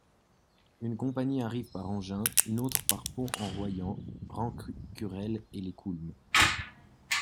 Une compagnie arrive par Engins, une autre par Pont-en-Royans, Rencurel et les Coulmes.